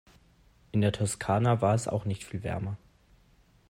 In der Toskana war es auch nicht viel wärmer.